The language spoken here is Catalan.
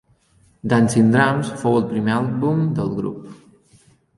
Dancing Drums fou el primer àlbum del grup.